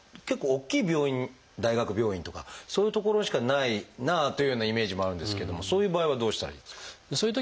結構大きい病院大学病院とかそういう所しかないなというようなイメージもあるんですけどもそういう場合はどうしたらいいんですか？